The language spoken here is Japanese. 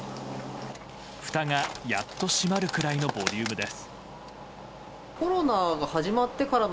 ふたがやっと閉まるくらいのボリュームです。